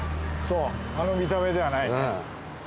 そうあの見た目ではないね。